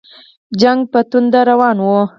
جنګ په توندۍ روان وو.